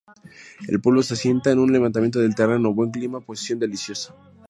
El pueblo se asienta en un levantamiento del terreno, buen clima, posición deliciosa.